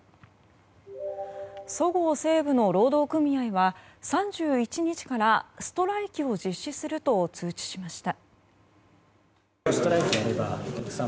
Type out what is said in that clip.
そごう・西武の労働組合は３１日からストライキを実施すると通知しました。